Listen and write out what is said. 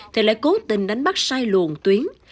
thì lại cố tình đánh bắt sai luồn tuyến